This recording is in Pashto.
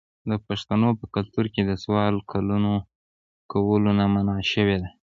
د پښتنو په کلتور کې د سوال کولو نه منع شوې ده.